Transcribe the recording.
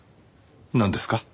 なんですか？